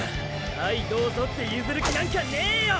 はいどうぞって譲る気なんかねえよ！